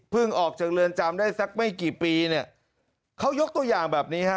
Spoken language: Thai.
ออกจากเรือนจำได้สักไม่กี่ปีเนี่ยเขายกตัวอย่างแบบนี้ฮะ